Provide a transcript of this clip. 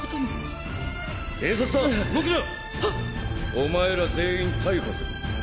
お前ら全員逮捕する。